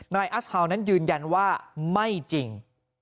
อัสฮาวนั้นยืนยันว่าไม่จริง